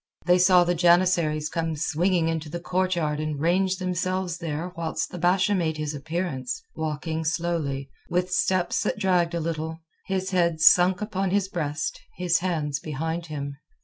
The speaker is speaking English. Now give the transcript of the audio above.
They saw the janissaries come swinging into the courtyard and range themselves there whilst the Basha made his appearance, walking slowly, with steps that dragged a little, his head sunk upon his breast, his hands behind him.